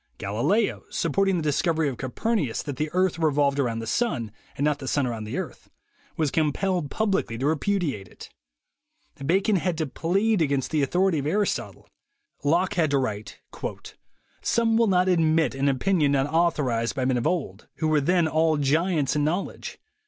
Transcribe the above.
Galileo, sup porting the discovery of Copernicus that the earth revolved around the sun, and not the sun around the earth, was compelled publicly to repudiate it. Bacon had to plead against the authority of Aris totle. Locke had to write : "Some will not admit an opinion not authorized by men of old, who were then all giants in knowledge.